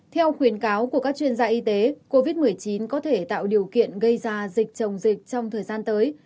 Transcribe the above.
theo khuyến cáo của các chuyên gia y tế covid một mươi chín có thể tạo điều kiện gây ra dịch trồng dịch trong thời gian tới